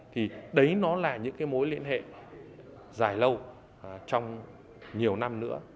thì đấy nó là những cái mối liên hệ dài lâu trong nhiều năm nữa